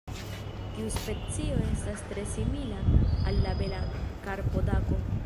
Tiu specio estas tre simila al la Bela karpodako.